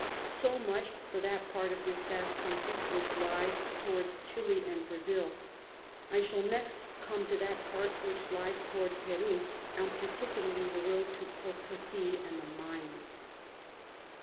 So much for that part of this vast Country which lies towards Chili and Brazile: I shall next come to that part which lies towards Peru, and particularly the Road to Potosi and the Mines.